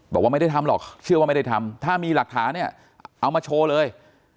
บอกว่าไม่ได้ทำหรอกเชื่อว่าไม่ได้ทำถ้ามีหลักฐานเนี่ยเอามาโชว์เลย